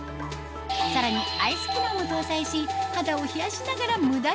さらにアイス機能も搭載し肌を冷やしながらムダ毛ケア